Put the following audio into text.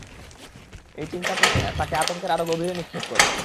এই চিন্তা তাকে আতঙ্কের আরো গভীরে নিক্ষেপ করে।